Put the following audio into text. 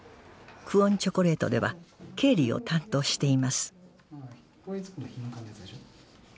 「久遠チョコレート」では経理を担当しています